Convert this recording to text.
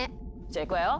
じゃあいくわよ！